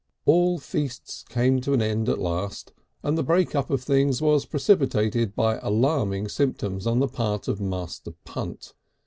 All feasts come to an end at last, and the breakup of things was precipitated by alarming symptoms on the part of Master Punt.